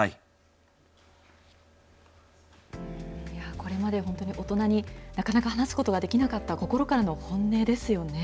これまで本当に大人になかなか話すことができなかった心からの本音ですよね。